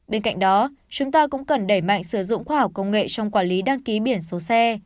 bên cạnh đó chúng ta cũng cần đẩy mạnh sử dụng khoa học công nghệ trong quản lý đăng ký biển số xe